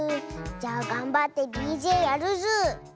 じゃあがんばってＤＪやるズー。